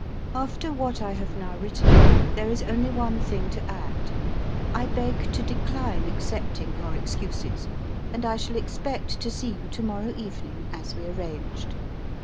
"After what I have now written, there is only one thing to add: I beg to decline accepting your excuses, and I shall expect to see you to morrow evening, as we arranged.